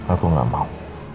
aku gak mau